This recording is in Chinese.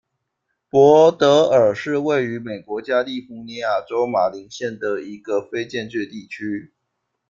伯德尔是位于美国加利福尼亚州马林县的一个非建制地区。